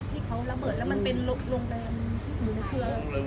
ซากแข็งเดิม